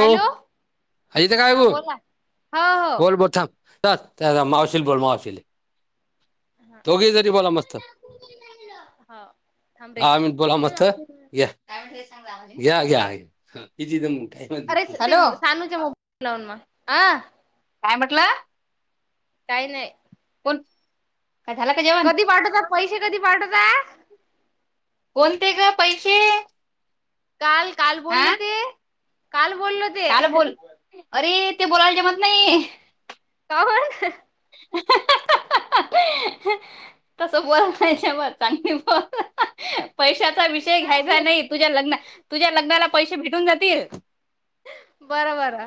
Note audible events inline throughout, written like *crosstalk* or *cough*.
हो आजेत काय हा बाबू बोला हो बोल हो बोलता. मावशीला बोल मावशीला दोघी जरी बोला मस्त ह हो थांब रे दहा मिनट बोला मस्त घ्या. घ्या घ्या हची. अरे ते सानूच म बनावन आ. काय म्हटलं? काय नाही. कोण काय झालं का जेवण कधी पाठवतात पैसे कधी पाठत आहे. कोणते ग पैसे काल काल बोललो ते काल बोललो. ते काला बोल अरे ते बोलायला जेमत नाही. कावरण *unintelligible* तसं बोल नाहीच्यामचनी बोलत. पैशाचा विषय घ्यायचा नाही तुझ्या लग्ना तुझ्या लग्नाला पैसे भेटून जातील. बरं बर.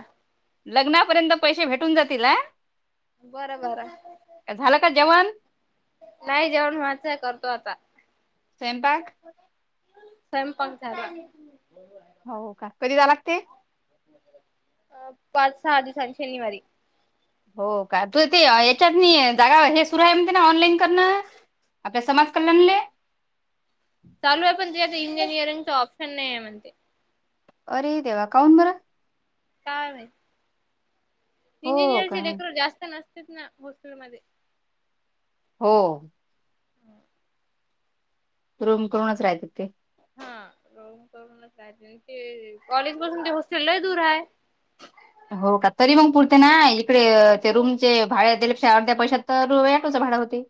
लग्नापर्यंत पैसे भेटून जातील ह. बरं बर का जेवण नाही जेवण मझंय करतो आता. सेमपाक स्वयंपाक झाला. हो का कधी जा लाग ते अ पाच सहा दिवसां आणि शनिवारी‌. हो का त ते याच्यात जागा हे सुरू आहे म्हणते ना ऑनलाईन. ण आपल्या समाज कल्याण. चालू आहे पण ते आता इंजिनिअरंग ऑप्शन नाही. आहे म्हणते. अरे देवा काऊन बरा. कायम. हो का इंजिनिअरचे लेकर जास्त नसते ना हॉस्टेलमध्येध्ये हो. रूम करूनच राहायचं तिथे हा र करूनच राय ते कॉलेज पासून ते हॉस्टेलला दूर आहे. हो का तरी मग पुरते ना इकडे ते रूमचे भाड्या? अर्ध्या पैशात तर रयाटोच भाडं होते.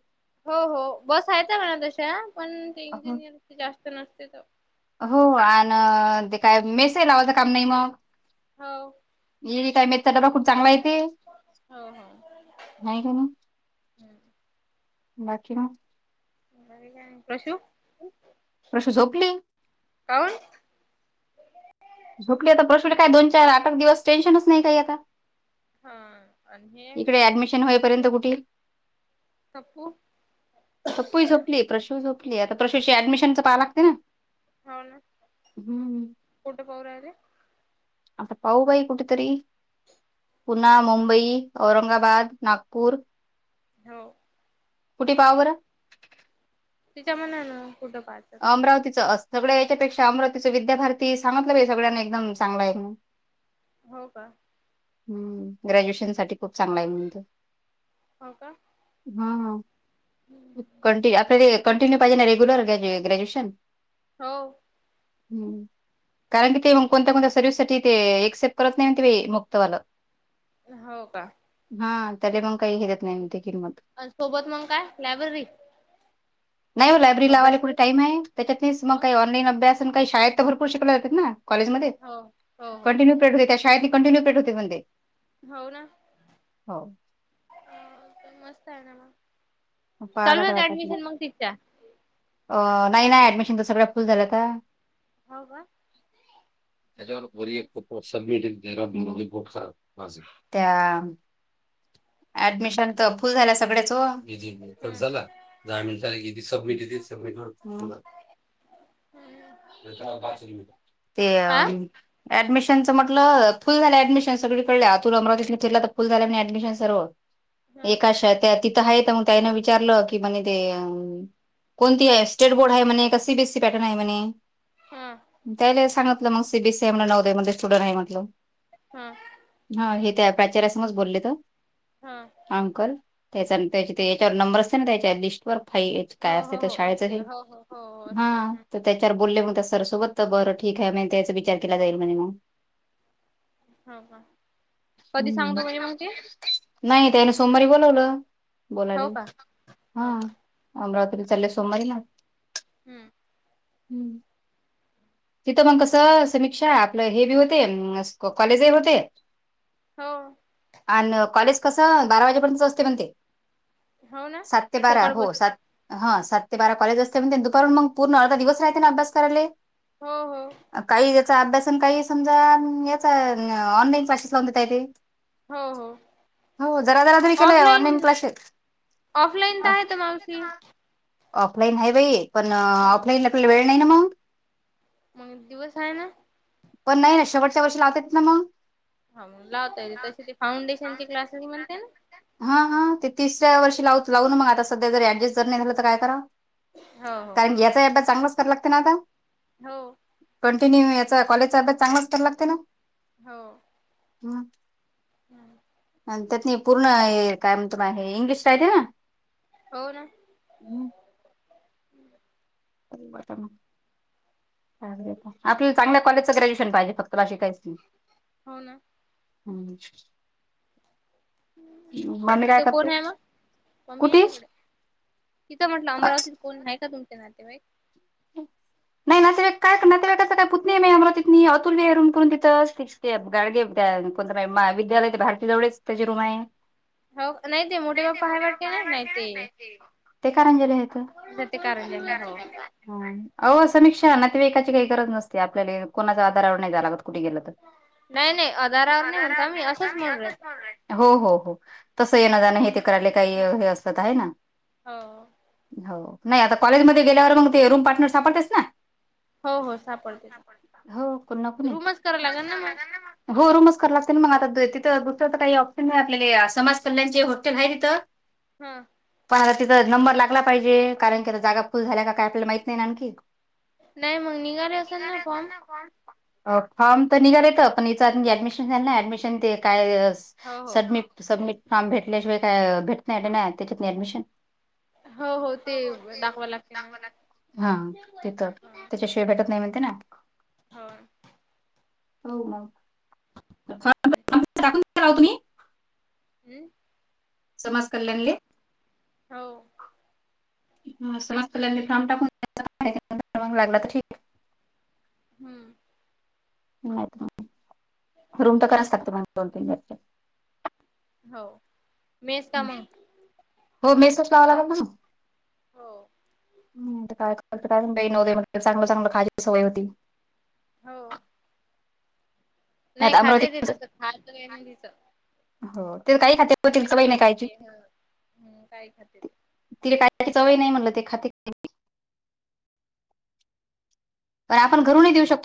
हो हो बसयच म्हणा तशा पण ते हो इंजिनियर जास्त नसते तर. हो आणि ते काय मेसेज लावायचं काम नाही मग? हो. ये काय मे डबा खूप चांग आहे. हो हो. नाही का ना बाकी ना. का प्रशू प्रश झोपली. काण झोपली आता प्रश्ले काय दोन चार आठ दिवस टेन्नच नाही काही आता. हा. आणि हे इकडे ऍडमिशन होईपर्यंत कुठे? सपू. तप्पई झोपली प्रशू झोपली आता प्रशूची ऍडमिशनच पाहा लागते ना. हम्म. कोणठं पावर आले. अप पाऊ बाई कठतरी *unintelligible* पुना मुंबई औरंगाबाद नागपूर. हो. कुठे पाहा बरं. तिच्या मणा ना कुठं पाह. अमरावतीचं अस सगळ्या याच्यापेक्षा अमरावतीच विद्याभारती सांगतलं भे सगळ्यांनी एकदम चांगला आहे. हो का? हम्म ग्रॅज्युएशन साठी खूप चांगला आहे म्हणत हो का ह. कंिन्य आपल्या कंटिन्यू पाहिजे ना रेग्युलर ग्रॅज्युएशन? हो. ह् कारण कि ते मग कोणत्या कोणत्या सर्विस साठी ते एऍक्सेप्ट करत नाही ते मग! वालं. हो का? हा त्याला मग काही हिर. सोबत मग काय लायब्ररी. नाही हो लायब्ररी लावायला अभ्यास कूठे टाईम आहे त्याच्यातच मग का ऑनलाईन अभ्यास काही शाळेत भरूपूर शिकल्या जात ना! कॉलेजमध्ये हो हो हो कंटिन्यू *unintelligible* होते त्या शाळेत कंटिन्यू पिरयड होते म्ह होऊ ना पण मस्त आहे ना म मग पाहावं चालू होत ऍडमिशन मग तिथच्या अ नाही नाही ऍडमिशन तर सगळं फुल झाल्या त्या हो का त्याच्यावर व एक *unintelligible* ब खबज त्या *unintelligible* ऍडमिशन तर फुल झाल्या सगळ्याचो दीदी झाला दहा मिनट झाला सबमिट येतंय सबमिटवर ते आ ऍडमिशनचं म्हटलं फुल झालंय ऍडमिशन सगळीकडे तुला अमरावतीतला तर फुल झालंय आणि ऍडमिशन सर्व ह एकाश त्या तिथं आहेत मग त्यान विचारलं की म्हणे ते कोणती आहे स्टेट बोर्ड आहे म्हणे का सी बीएसी पॅटर्न आहे म्हणे. हा त्याला सांगतलं मग सीबीसए स्टुडंट आहे म्हटलं हा हा हे त्या प्राचार्यासमोर बोलले ह अंकल त्या त्या याच्यावर नंबर असते ना त्याच्या लिस्ट व फाई काय हो अस हो हो शाळेच असते हे हो हो हो हो हा असते ह त्याच्यावर बोलले मग त्या सर सोबत तर बरं ठीक आहे म्हन त्याचा विचार केला जाईल म्हणे मग हा ह कधी हम्म. सांगतो म्हणले मग ते नाही त्याने सोमवारी बोलावलं हो बोलाले का हो हा का अमरात्री चालं सोमवारी ना हम्म हम्म तिथं मग कसं समीक्षा आपलं हे बी होते कॉलेजही होते हो आणि कॉलेज कसं बारा वाजेपर्यंत असते म्हण ते हो ना सात ते बारा हो सकाळपासून सात हा सात ते बारा कॉलेज असते पण दुपार मग पर्ण अर्धा दिवस राहते ना अभ्यास करायला हो हो काही याचा अभ्यास न काही समजा याचा ऑनलाईन क्लासेस हो हो *unintelligible* जरा जरा तरी के ऑनलाईन ऑफलाईन क्लासेस *unintelligible* ऑफलाईन तर आहे तर मावशी ऑफलाईन आहे बाई पण ह ऑफलाईन आपल्याला वेळ नाही ना मग मग दिवस आहे ना पण नाही ना शेवटच्या वर्षी लावत्यात ना मग हा मग लावता येते तसे ते फाउंडेशनचे क्लासेस म्हणते ना हा हा ते तिसऱ्या वर्षी लावत्यात हाऊ ना सध्या ऍडजस्ट नाही झालं तर काय करावं हो *unintelligible* चांगलंच कर लागते ना आता हो कंटिन्यू या कॉजच्या अ्यास चांगच क लागते ना *unintelligible* हो हो आणि त्यातनी पूर्ण काय मग तुम्हा हे इंग्लिश पाहिजे ना हो ना हम्म. आपल्या चांगल्या कॉलेजच ग्रॅज्युएशन पाहिजे फक्त बाकी काहीच नाही हो ना हम् आणि म काय तिथं करते कोण आहे मग मम्मी आहे कुठी तिकडे तिथं म्हटलं अमरावतीत कोण आहे का तुमचे नातेवाईक नाही नातेवाक काय नातेवाकचं काय पुत नाही आम्हा ति अतुल वेरून करून तिथं असतेच ते गाडगे त्या कोणत विद्यालयत भारतीजवळच त्याचे रूम आहे हो नाही ते मोठे बाप्पा आहेय वाटते ना नाही ते ह ते कारंजली आहेेत त्या ते कारणज हो ह अ समीक्षा ना ते वकाची काही गरज नसते ते आपल्याला कोणाच आधारवर नाहीय लागत कुठे गेलं तर का नाही अधारावर नाही म्हणता मी असंच म्हण र हो हो हो तसं येणं जाण हे कोण ते करायले काही आहे. हे असतात आहे ना हो हो नाही आता कॉलेजमध्येध्ये गेल्यावर मग ते रूम पार्टनर सापडतेस ना हो हो सापडते ना हो कोण ना कोणी. रूमच कराव लागल ना मग हो रूमच करा लागते ना मग आता तिथं गुर तर काही ऑप्शन नाही आपले समाज कल्याणे हॉटेल आहे तिथं ह हा पण आता तिचां नंबर लागला पाहिजे कारण की आता जागा फुल झाल्या काय आपल्याला माहित नाही आणखी नाही मग निघाले असेल ना फॉर्म ह फॉर्म तर निघालेयेत पण इथं म्हणे ऍडमिशन झाल ना ऍडमिशन ते काय हो हो सबमिट सबमिट फॉर्म भेटल्याशिवाय काय भेट नाही नाही त्याच्यात नाही ऍडमिशन हो हो ते दाखवा लागते ना ते शेय भेटत नाही म्हती ना हो होून रा तुम्ही हम समाज कल्याणले हो म टाकून लागला तर ठीक हम्म मा रूम तर कराच लागत मग दोन तीन वर्चे हो मेस का मग हो मेस लावा लागल ना् हो काय फक्त का नव्ह चांगलं चांगलं खाजी सवय होती हो नाही तर अमरावती खातेेत तस खात आहे ना तिचं हो काही खात काही खातम काही खातर तिला काय चवय नाही म्हटलं तेखात तर आपण घरून नाही देऊ शकतो